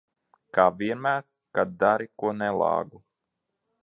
Kā vienmēr, kad dari ko nelāgu.